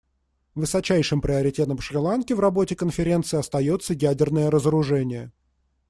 Высочайшим приоритетом Шри-Ланки в работе Конференции остается ядерное разоружение.